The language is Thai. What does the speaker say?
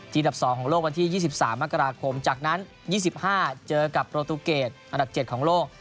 ดับ๒ของโลกวันที่๒๓มกราคมจากนั้น๒๕เจอกับโปรตูเกตอันดับ๗ของโลก